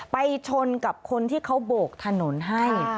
ไปชนกับคนที่เขาโบกถนนให้